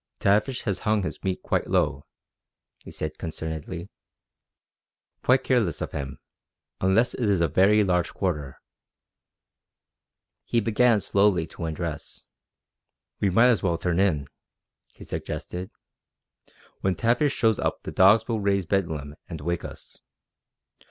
"Tavish has hung his meat low," he said concernedly. "Quite careless of him, unless it is a very large quarter." He began slowly to undress. "We might as well turn in," he suggested. "When Tavish shows up the dogs will raise bedlam and wake us.